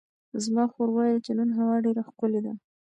زما خور وویل چې نن هوا ډېره ښکلې ده.